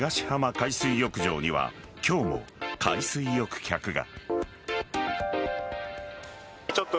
海水浴場には今日も海水浴客が。